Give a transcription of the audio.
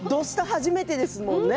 初めてですよね。